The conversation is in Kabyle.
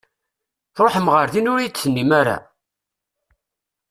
Tṛuḥem ɣer din ur iyi-d-tennim ara!